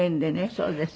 そうですね。